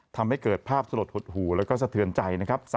ทำให้เกิดภาพสลดหดหู่แล้วก็สะเทือนใจนะครับ